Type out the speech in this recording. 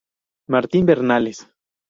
Martín Bernales.